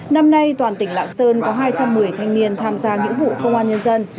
năm nay toàn tỉnh lạng sơn có hai trăm một mươi thanh niên tham gia nghĩa vụ công an nhân dân